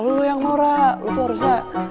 lu yang nora lu tuh harusnya